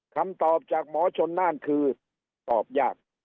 คำตอบจากหมอชนน่านคือตอบยาก